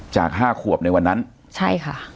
จากห้าขวบในวันนั้นใช่ค่ะ